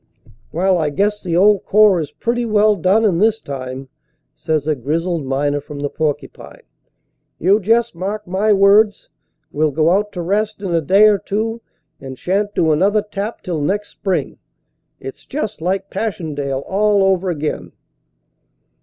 "Well, I guess the old Corps is pretty well done in this time," says a grizzled miner from the Porcupine. "You just mark my words ; we ll go out to rest in a day or two and shan t do another tap till next spring. It s just like Passchendaele all over again."